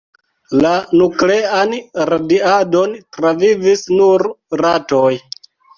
La nuklean radiadon travivis nur ratoj.